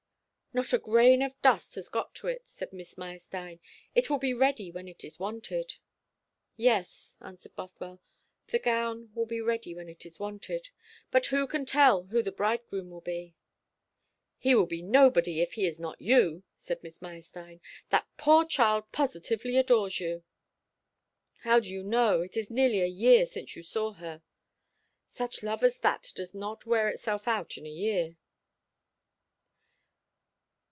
"Not a grain of dust has got to it," said Miss Meyerstein. "It will be ready when it is wanted." "Yes," answered Bothwell. "The gown will be ready when it is wanted; but who can tell who the bridegroom will be?" "He will be nobody if he is not you," said Miss Meyerstein. "That poor child positively adores you." "How do you know? It is nearly a year since you saw her." "Such love as that does not wear itself out in a year."